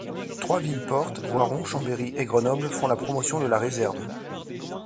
Trois villes-portes, Voiron, Chambery et Grenoble font la promotion de la réserve.